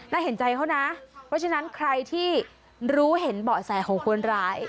เห็นใจเขานะเพราะฉะนั้นใครที่รู้เห็นเบาะแสของคนร้าย